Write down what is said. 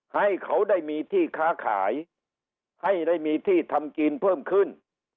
ให้เขาได้มีที่ค้าขายให้ได้มีที่ทำกินเพิ่มขึ้น